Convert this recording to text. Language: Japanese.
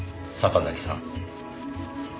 坂崎さん。